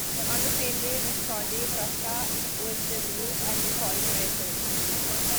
On the same day, Visconti Prasca was relieved and recalled to Italy.